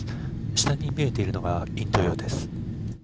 下に見えているのがインド洋です。